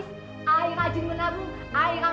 saya akan menganggap anda sebagai anak saya